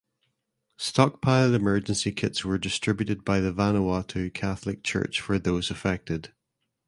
Stockpiled emergency kits were distributed by the Vanuatu Catholic Church for those affected.